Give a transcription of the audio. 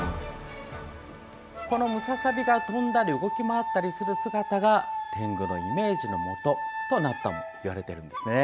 このムササビが飛んだり動き回ったりする姿がてんぐのイメージのもととなったともいわれているんですよ。